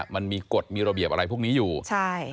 มันมีกฎมีระเบียบอะไรพวกนี้อยู่ใช่